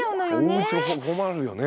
おうちも困るよね